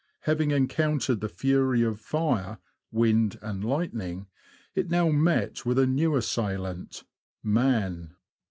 Having encountered the fury of fire, wind, and lightning, it now met with a new assailant — man.